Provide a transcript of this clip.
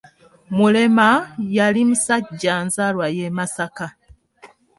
Mulema, yali musajja nzaalwa y'e Masaka.